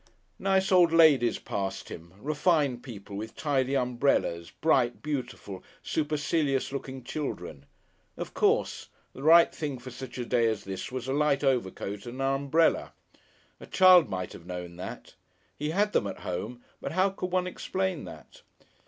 Nice old ladies passed him, refined people with tidy umbrellas, bright, beautiful, supercilious looking children. Of course! the right thing for such a day as this was a light overcoat and an umbrella. A child might have known that. He had them at home, but how could one explain that?